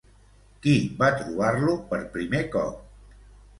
Qui va trobar-lo per primer cop?